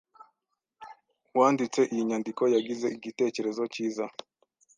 Uwanditse iyi nyandiko yagize igitekerezo cyiza